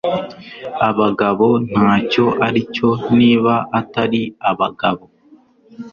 abagabo ntacyo aricyo niba atari abagabo